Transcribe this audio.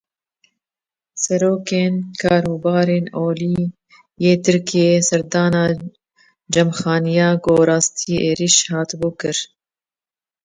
Serokê Karûbarên Olî yê Tirkiyeyê serdana cemxaneya ku rastî êrişê hatibû, kir.